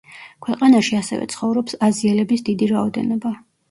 ქვეყანაში ასევე ცხოვრობს აზიელების დიდი რაოდენობა.